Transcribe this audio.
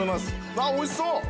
わおいしそう。